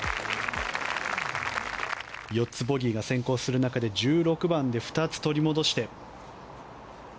４つボギーが先行する中で１６番で２つ取り戻して。